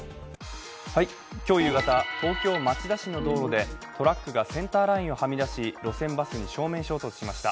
今日夕方、東京・町田市の道路でトラックがセンターラインをはみ出し路線バスに正面衝突しました。